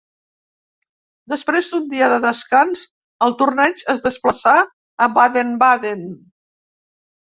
Després d'un dia de descans, el torneig es desplaçà a Baden-Baden.